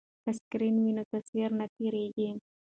که سکرین وي نو تصویر نه تیریږي.